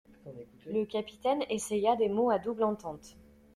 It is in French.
Le capitaine essaya des mots à double entente.